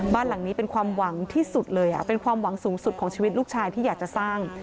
บ้านหลังนี้เป็นความหวังที่สุดเลยเป็นความหวังสูงสุดของชีวิตลูกชายที่อยากจะสร้าง